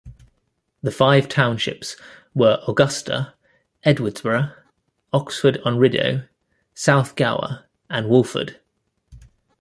The five townships were Augusta, Edwardsburgh, Oxford-on-Rideau, South Gower, and Wolford.